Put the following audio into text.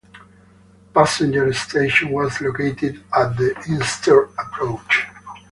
A passenger station was located at the eastern approach.